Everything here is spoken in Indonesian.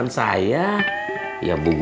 nah prang puunto